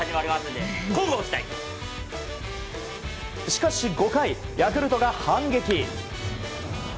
しかし５回、ヤクルトが反撃。